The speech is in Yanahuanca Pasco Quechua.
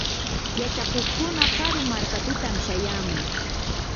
yachakuqkuna karu markapitam shayamun.